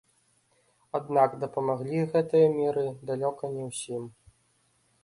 Аднак дапамаглі гэтыя меры далёка не ўсім.